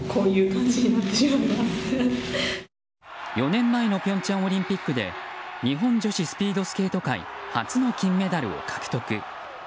４年前の平昌オリンピックで日本女子スピードスケート界初の金メダルを獲得。